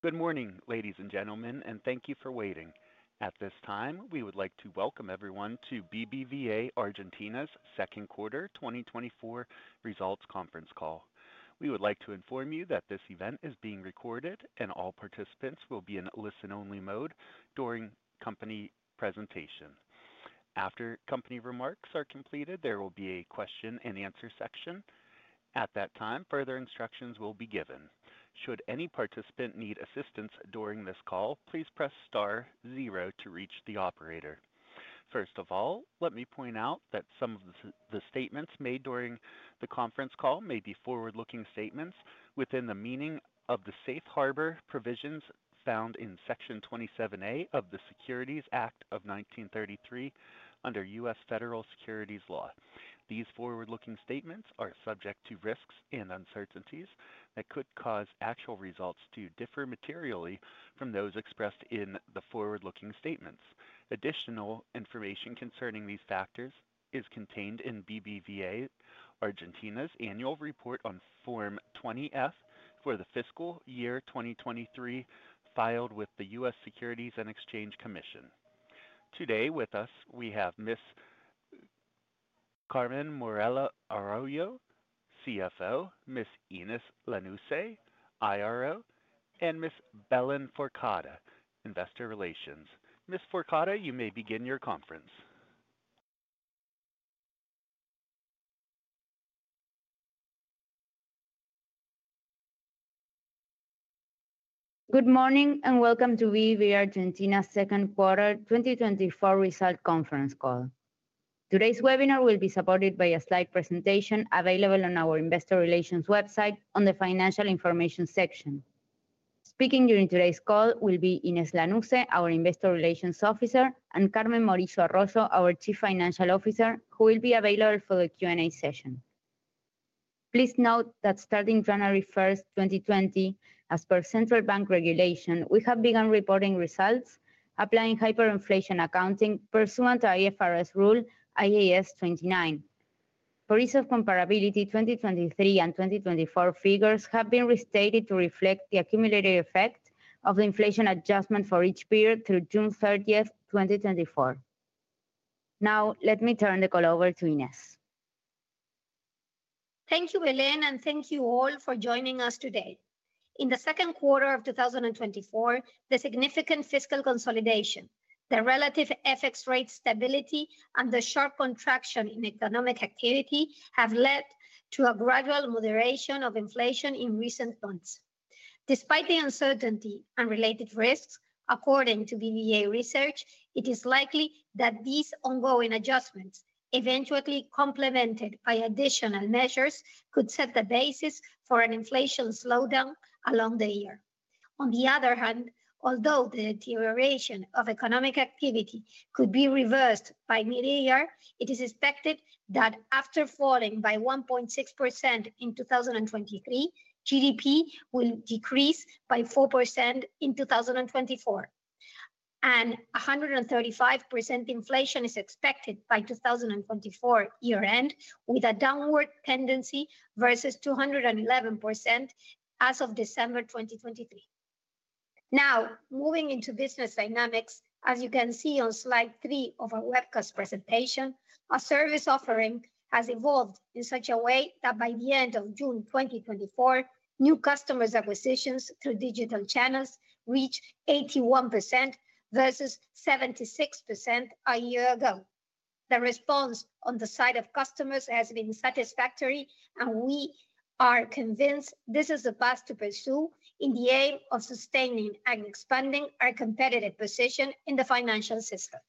Good morning, ladies and gentlemen, and thank you for waiting. At this time, we would like to welcome everyone to BBVA Argentina's Second Quarter Twenty Twenty-four Results Conference Call. We would like to inform you that this event is being recorded, and all participants will be in listen-only mode during company presentation. After company remarks are completed, there will be a question-and-answer section. At that time, further instructions will be given. Should any participant need assistance during this call, please press star zero to reach the operator. First of all, let me point out that some of the statements made during the conference call may be forward-looking statements within the meaning of the safe harbor provisions found in Section 27A of the Securities Act of 1933 under U.S. Federal Securities Law. These forward-looking statements are subject to risks and uncertainties that could cause actual results to differ materially from those expressed in the forward-looking statements. Additional information concerning these factors is contained in BBVA Argentina's annual report on Form 20-F for the fiscal year 2023, filed with the U.S. Securities and Exchange Commission. Today, with us, we have Ms. Carmen Morillo Arroyo, CFO, Ms. Inés Lanusse, IRO, and Ms. Belén Fourcade, Investor Relations. Ms. Fourcade, you may begin your conference. Good morning, and welcome to BBVA Argentina's second quarter 2024 results conference call. Today's webinar will be supported by a slide presentation available on our investor relations website on the financial information section. Speaking during today's call will be Inés Lanusse, our Investor Relations Officer, and Carmen Morillo Arroyo, our Chief Financial Officer, who will be available for the Q&A session. Please note that starting January first, 2020, as per central bank regulation, we have begun reporting results, applying hyperinflation accounting pursuant to IFRS rule, IAS 29. For ease of comparability, 2023 and 2024 figures have been restated to reflect the accumulated effect of the inflation adjustment for each period through June thirtieth, 2024. Now, let me turn the call over to Inés. Thank you, Belén, and thank you all for joining us today. In the second quarter of two thousand and twenty-four, the significant fiscal consolidation, the relative FX rate stability, and the sharp contraction in economic activity have led to a gradual moderation of inflation in recent months. Despite the uncertainty and related risks, according to BBVA Research, it is likely that these ongoing adjustments, eventually complemented by additional measures, could set the basis for an inflation slowdown along the year. On the other hand, although the deterioration of economic activity could be reversed by mid-year, it is expected that after falling by 1.6% in 2023, GDP will decrease by 4% in 2024, and 135% inflation is expected by 2024 year-end, with a downward tendency versus 211% as of December 2023. Now, moving into business dynamics, as you can see on slide 3 of our webcast presentation, our service offering has evolved in such a way that by the end of June 2024, new customers' acquisitions through digital channels reached 81% versus 76% a year ago. The response on the side of customers has been satisfactory, and we are convinced this is the path to pursue in the aim of sustaining and expanding our competitive position in the financial system.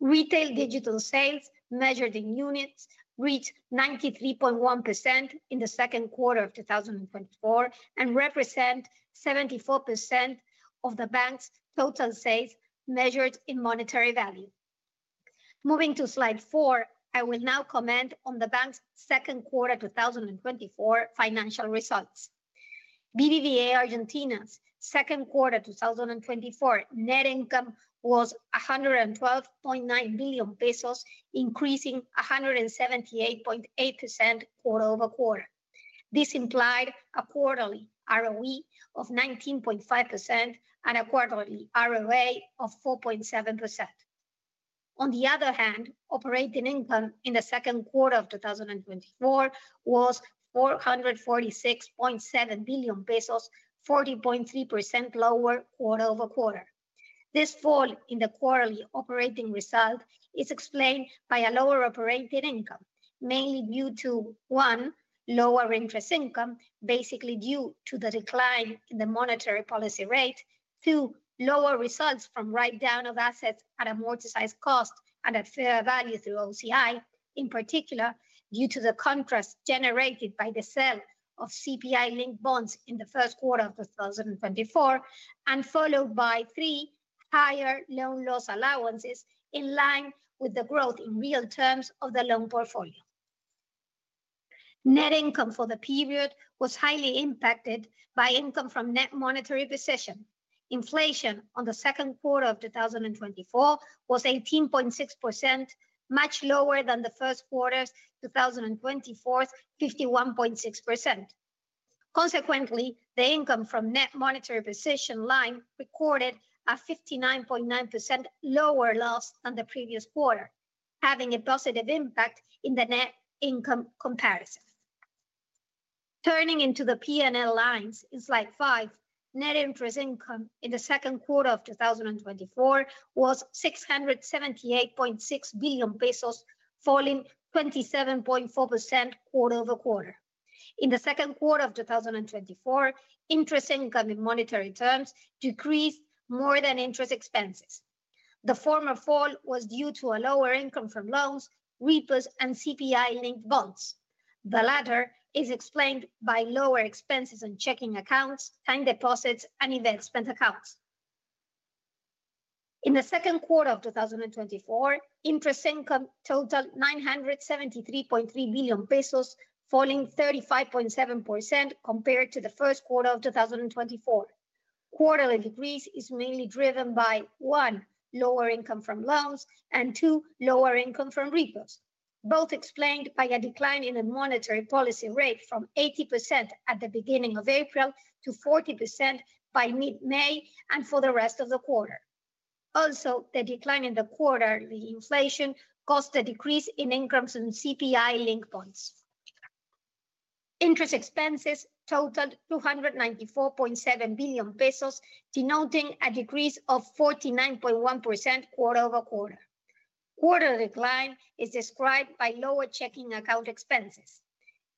Retail digital sales, measured in units, reached 93.1% in the second quarter of 2024 and represent 74% of the bank's total sales, measured in monetary value. Moving to slide four, I will now comment on the bank's second quarter 2024 financial results. BBVA Argentina's second quarter 2024 net income was 112.9 billion pesos, increasing 178.8% quarter over quarter. This implied a quarterly ROE of 19.5% and a quarterly ROA of 4.7%. On the other hand, operating income in the second quarter of 2024 was 446.7 billion pesos, 40.3% lower quarter over quarter. This fall in the quarterly operating result is explained by a lower operating income, mainly due to, one, lower interest income, basically due to the decline in the monetary policy rate, two, lower results from write-down of assets at amortized cost and at fair value through OCI, in particular, due to the contrast generated by the sale of CPI-linked bonds in the first quarter of 2024, and followed by, three, higher loan loss allowances in line with the growth in real terms of the loan portfolio. Net income for the period was highly impacted by income from net monetary position.... Inflation in the second quarter of 2024 was 18.6%, much lower than the first quarter's 2024 51.6%. Consequently, the income from net monetary position line recorded a 59.9% lower loss than the previous quarter, having a positive impact in the net income comparison. Turning into the PNL lines in slide 5, net interest income in the second quarter of 2024 was 678.6 billion pesos, falling 27.4% quarter over quarter. In the second quarter of 2024, interest income in monetary terms decreased more than interest expenses. The former fall was due to a lower income from loans, repos, and CPI-linked bonds. The latter is explained by lower expenses on checking accounts, time deposits, and investment accounts. In the second quarter of two thousand and twenty-four, interest income totaled ARS 973.3 billion, falling 35.7% compared to the first quarter of two thousand and twenty-four. Quarterly decrease is mainly driven by, one, lower income from loans, and two, lower income from repos, both explained by a decline in the monetary policy rate from 80% at the beginning of April to 40% by mid-May and for the rest of the quarter. Also, the decline in the quarterly inflation caused a decrease in incomes on CPI-linked bonds. Interest expenses totaled 294.7 billion pesos, denoting a decrease of 49.1% quarter over quarter. Quarter decline is described by lower checking account expenses.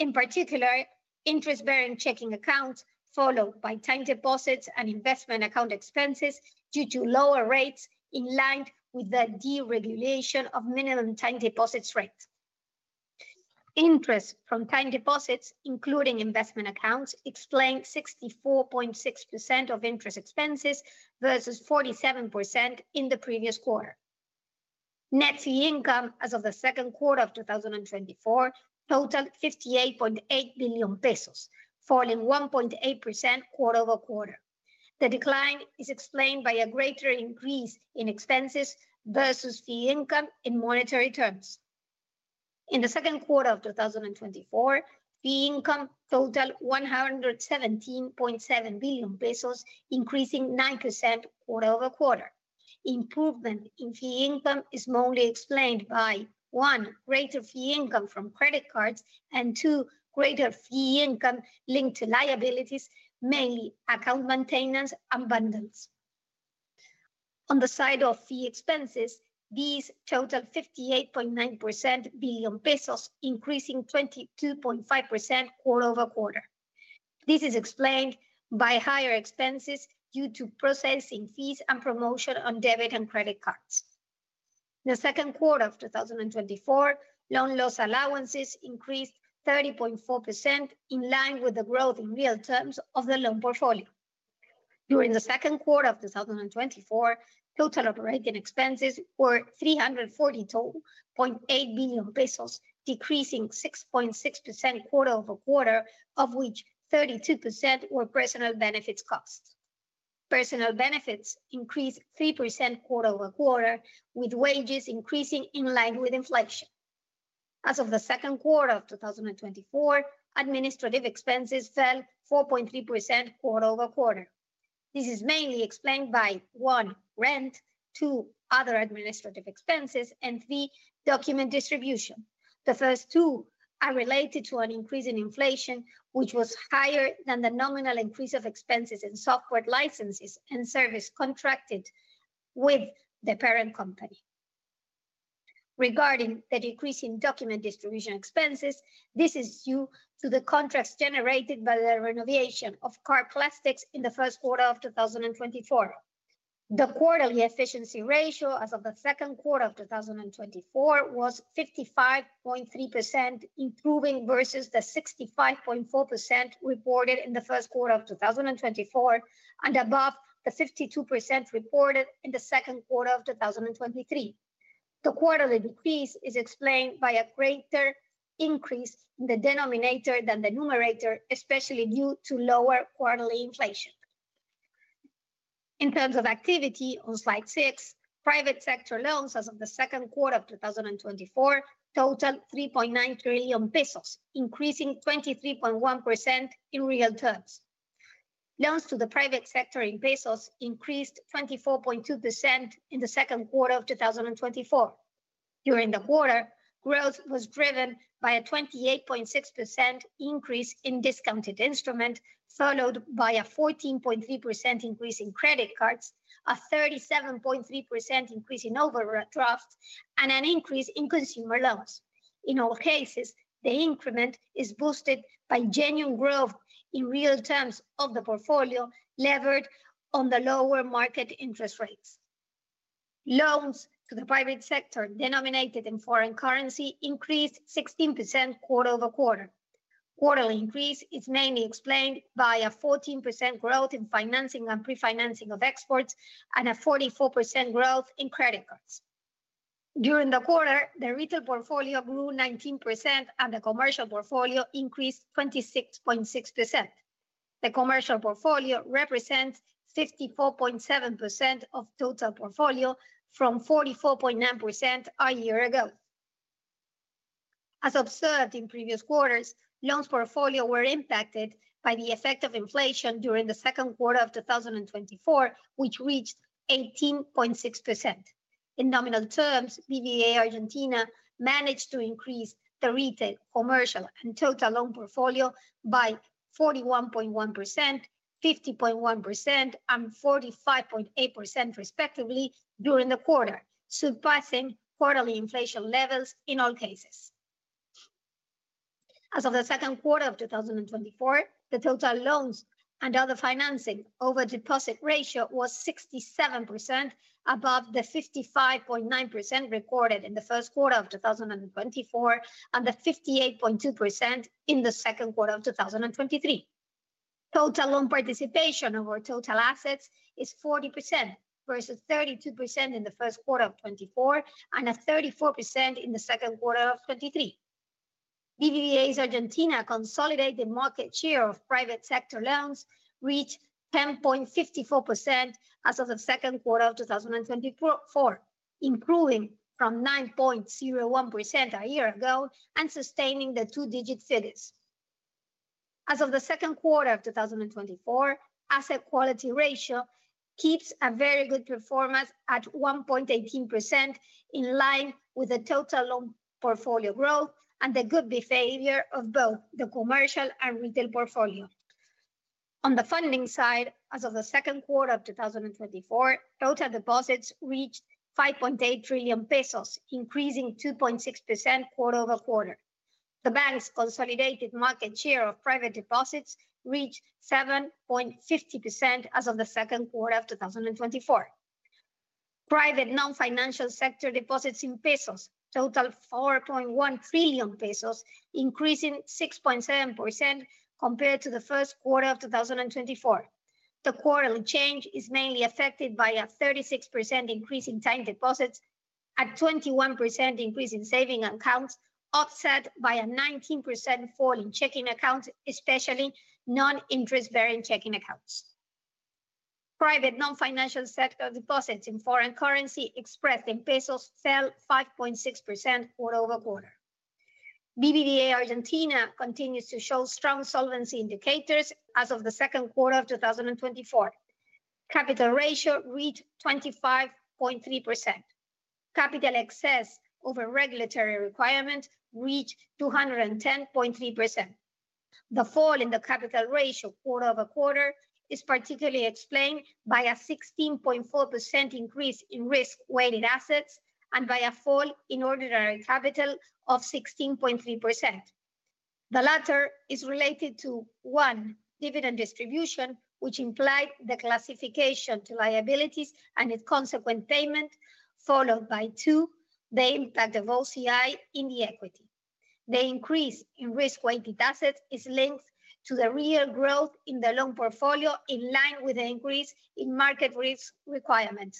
In particular, interest-bearing checking accounts, followed by time deposits and investment account expenses due to lower rates in line with the deregulation of minimum time deposits rates. Interest from time deposits, including investment accounts, explain 64.6% of interest expenses versus 47% in the previous quarter. Net fee income as of the second quarter of 2024 totaled 58.8 billion pesos, falling 1.8% quarter over quarter. The decline is explained by a greater increase in expenses versus fee income in monetary terms. In the second quarter of 2024, fee income totaled 117.7 billion pesos, increasing 9% quarter over quarter. Improvement in fee income is mainly explained by, one, greater fee income from credit cards, and two, greater fee income linked to liabilities, mainly account maintenance and bundles. On the side of fee expenses, these totaled 58.9 billion pesos, increasing 22.5% quarter over quarter. This is explained by higher expenses due to processing fees and promotion on debit and credit cards. In the second quarter of two thousand and twenty-four, loan loss allowances increased 30.4%, in line with the growth in real terms of the loan portfolio. During the second quarter of two thousand and twenty-four, total operating expenses were 342.8 billion pesos, decreasing 6.6% quarter over quarter, of which 32% were personnel benefits costs. Personnel benefits increased 3% quarter over quarter, with wages increasing in line with inflation. As of the second quarter of two thousand and twenty-four, administrative expenses fell 4.3% quarter over quarter. This is mainly explained by, one, rent, two, other administrative expenses, and three, document distribution. The first two are related to an increase in inflation, which was higher than the nominal increase of expenses in software licenses and service contracted with the parent company. Regarding the decrease in document distribution expenses, this is due to the contracts generated by the renovation of card plastics in the first quarter of two thousand and twenty-four. The quarterly efficiency ratio as of the second quarter of two thousand and twenty-four was 55.3%, improving versus the 65.4% reported in the first quarter of two thousand and twenty-four and above the 52% reported in the second quarter of two thousand and twenty-three. The quarterly decrease is explained by a greater increase in the denominator than the numerator, especially due to lower quarterly inflation. In terms of activity, on slide six, private sector loans as of the second quarter of 2024 totaled 3.9 trillion pesos, increasing 23.1% in real terms. Loans to the private sector in pesos increased 24.2% in the second quarter of 2024. During the quarter, growth was driven by a 28.6% increase in discounted instrument, followed by a 14.3% increase in credit cards, a 37.3% increase in overdraft, and an increase in consumer loans. In all cases, the increment is boosted by genuine growth in real terms of the portfolio, levered on the lower market interest rates. Loans to the private sector denominated in foreign currency increased 16% quarter over quarter. Quarterly increase is mainly explained by a 14% growth in financing and pre-financing of exports and a 44% growth in credit cards. During the quarter, the retail portfolio grew 19%, and the commercial portfolio increased 26.6%. The commercial portfolio represents 64.7% of total portfolio, from 44.9% a year ago. As observed in previous quarters, loans portfolio were impacted by the effect of inflation during the second quarter of 2024, which reached 18.6%. In nominal terms, BBVA Argentina managed to increase the retail, commercial, and total loan portfolio by 41.1%, 50.1%, and 45.8%, respectively, during the quarter, surpassing quarterly inflation levels in all cases. As of the second quarter of 2024, the total loans and other financing over deposit ratio was 67%, above the 55.9% recorded in the first quarter of 2024, and the 58.2% in the second quarter of 2023. Total loan participation over total assets is 40%, versus 32% in the first quarter of 2024, and a 34% in the second quarter of 2023. BBVA Argentina's consolidated market share of private sector loans reached 10.54% as of the second quarter of 2024, improving from 9.01% a year ago and sustaining the two-digit status. As of the second quarter of 2024, asset quality ratio keeps a very good performance at 1.18%, in line with the total loan portfolio growth and the good behavior of both the commercial and retail portfolio. On the funding side, as of the second quarter of 2024, total deposits reached 5.8 trillion pesos, increasing 2.6% quarter over quarter. The bank's consolidated market share of private deposits reached 7.50% as of the second quarter of 2024. Private non-financial sector deposits in pesos totaled 4.1 trillion pesos, increasing 6.7% compared to the first quarter of 2024. The quarterly change is mainly affected by a 36% increase in time deposits, a 21% increase in saving accounts, offset by a 19% fall in checking accounts, especially non-interest-bearing checking accounts. Private non-financial sector deposits in foreign currency expressed in pesos fell 5.6% quarter over quarter. BBVA Argentina continues to show strong solvency indicators as of the second quarter of 2024. Capital ratio reached 25.3%. Capital excess over regulatory requirement reached 210.3%. The fall in the capital ratio quarter over quarter is particularly explained by a 16.4% increase in risk-weighted assets and by a fall in ordinary capital of 16.3%. The latter is related to, one, dividend distribution, which implied the classification to liabilities and its consequent payment, followed by, two, the impact of OCI in the equity. The increase in risk-weighted assets is linked to the real growth in the loan portfolio, in line with the increase in market risk requirement.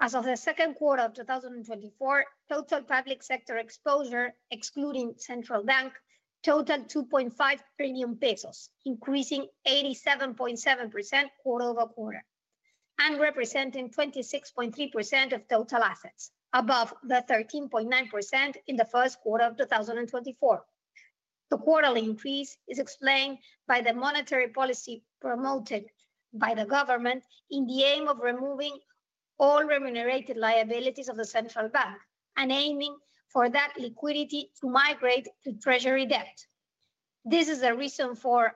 As of the second quarter of 2024, total public sector exposure, excluding central bank, totaled 2.5 trillion pesos, increasing 87.7% quarter over quarter, and representing 26.3% of total assets, above the 13.9% in the first quarter of 2024. The quarterly increase is explained by the monetary policy promoted by the government in the aim of removing all remunerated liabilities of the central bank and aiming for that liquidity to migrate to treasury debt. This is a reason for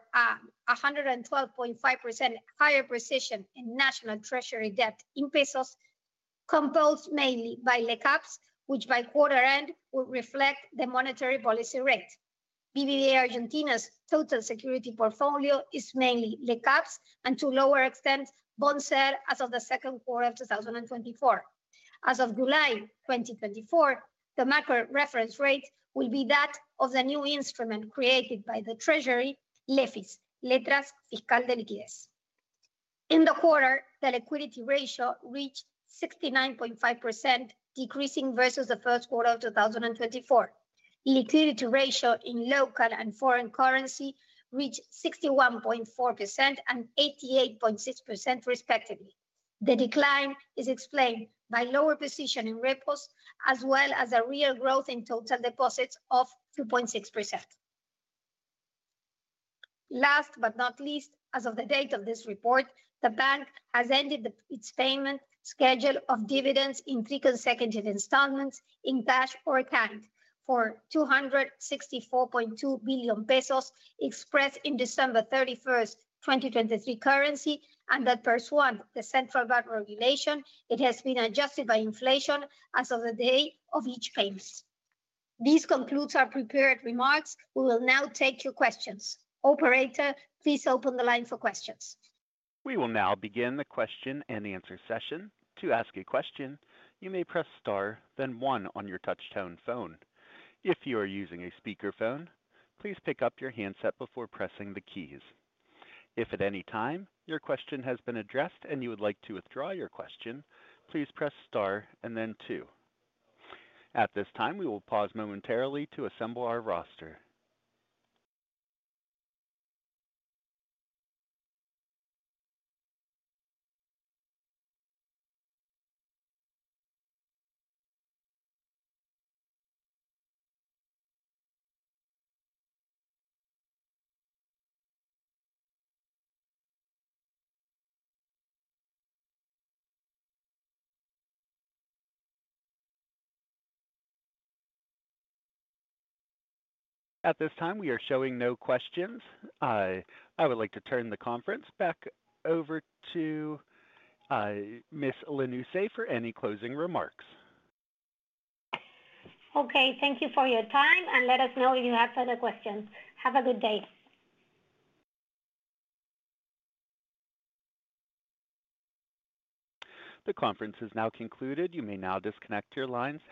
112.5% higher precision in national treasury debt in pesos, composed mainly by LECAPS, which by quarter end will reflect the monetary policy rate. BBVA Argentina's total security portfolio is mainly LECAPS, and to a lower extent, BONCER, as of the second quarter of 2024. As of July 2024, the macro reference rate will be that of the new instrument created by the treasury, LEFIS, Letras Fiscales de Liquidez. In the quarter, the liquidity ratio reached 69.5%, decreasing versus the first quarter of 2024. Liquidity ratio in local and foreign currency reached 61.4% and 88.6%, respectively. The decline is explained by lower position in repos, as well as a real growth in total deposits of 2.6%. Last but not least, as of the date of this report, the bank has ended its payment schedule of dividends in three consecutive installments in cash or account for 264.2 billion pesos, expressed in December 31, 2023 currency, and that pursuant to the central bank regulation, it has been adjusted by inflation as of the day of each payment. This concludes our prepared remarks. We will now take your questions. Operator, please open the line for questions. We will now begin the question-and-answer session. To ask a question, you may press star, then one on your touchtone phone. If you are using a speakerphone, please pick up your handset before pressing the keys. If at any time your question has been addressed and you would like to withdraw your question, please press star and then two. At this time, we will pause momentarily to assemble our roster. At this time, we are showing no questions. I would like to turn the conference back over to Ms. Lanusse for any closing remarks. Okay, thank you for your time, and let us know if you have further questions. Have a good day. The conference is now concluded. You may now disconnect your lines.